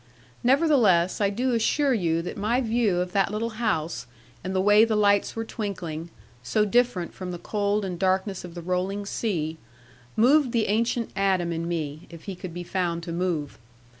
Nevertheless, I do assure you that my view of that little house and the way the lights were twinkling, so different from the cold and darkness of the rolling sea, moved the ancient Adam in me, if he could be found to move.